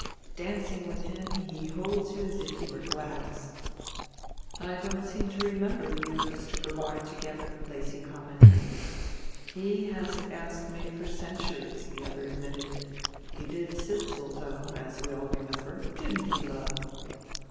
Dancing with him he holds you as if you were glass." "I don't seem to remember you and Mr. Brevard together," Lacy commented. "He hasn't asked me for centuries," the other admitted. "He did Sidsall, though, as we all remember; didn't he, love?"